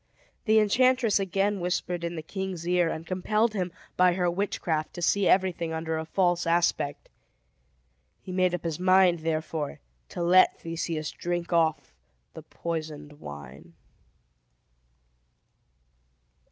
The enchantress again whispered in the king's ear, and compelled him, by her witchcraft, to see everything under a false aspect. He made up his mind, therefore, to let Theseus drink off the poisoned wine.